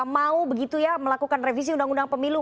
mau melakukan revisi undang undang pemilu